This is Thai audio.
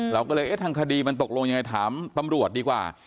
เราก็เลยเอ๊ะทางคดีมันตกลงยังไงถามตำรวจดีกว่า